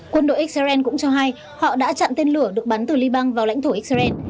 quân đội israel cũng cho hay họ đã chặn tên lửa được bắn từ libang vào lãnh thổ israel